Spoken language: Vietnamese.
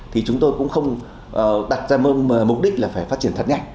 thì chúng tôi cũng không đặt ra mục đích là phải phát triển thật nhanh